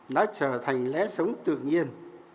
nó trở thành lẽ sống tự nhiên